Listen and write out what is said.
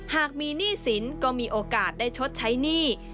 หากมีหนี้สินก็มีโอกาสได้ชดใช้หนี้